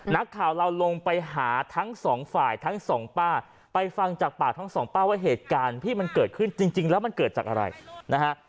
นักข่าวเราลงไปหาทั้งสองฝ่ายทั้งสองป้าไปฟังจากปากทั้งสองป้าว่าเหตุการณ์ที่มันเกิดขึ้นจริงแล้วมันเกิดจากอะไรนะฮะ